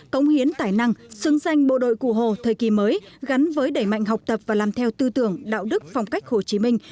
công hiến tài năng xứng danh bộ đội cụ hồ thời kỳ mới gắn với đẩy mạnh học tập và làm theo tư tưởng đạo đức phong cách hồ chí minh